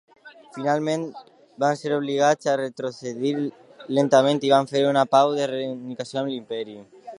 Finalment, van ser obligats a retrocedir lentament i van fer una pau de reunificació amb l'Imperi.